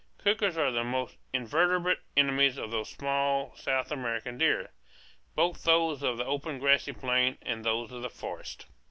Cougars are the most inveterate enemies of these small South American deer, both those of the open grassy plain and those of the forest.